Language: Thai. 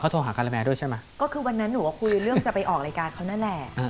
เขาโทรหาวันนั้นนุ่ก็คุยเรื่องจะไปออกรายการเคาน่ะแล